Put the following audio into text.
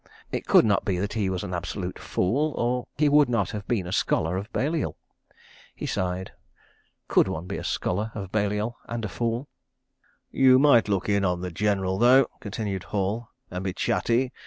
It could not be that he was an absolute fool, or he would not have been a Scholar of Balliol. He sighed. Could one be a Scholar of Balliol and a fool? ... "You might look in on the General, though," continued Hall, "and be chatty.